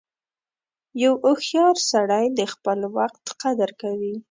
• یو هوښیار سړی د خپل وخت قدر کوي.